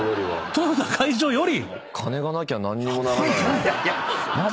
豊田会長より⁉